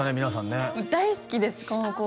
皆さんね大好きです